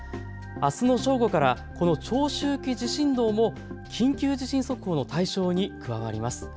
あすの正午からこの長周期地震動も緊急地震速報の対象に加わります。